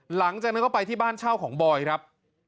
หลังจากนั้นก็ไปที่บ้านเช่าของบอยครับ